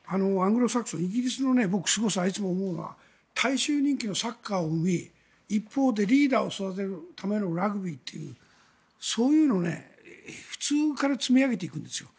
アングロサクソンイギリスのすごさをいつも思うのは大衆人気のサッカーを生み一方でリーダーを育てるためのラグビーというそういうのを普通から積み上げていくんです。